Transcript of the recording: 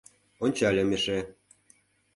Ончальым эше...